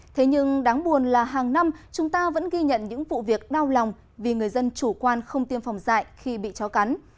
thế nhưng đáng buồn là hàng năm chúng ta vẫn ghi nhận những vụ việc đau lòng vì người dân chủ quan không tiêm phòng dại khi bị chó cắn